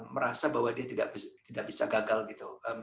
merasa bahwa dia tidak bisa gagal gitu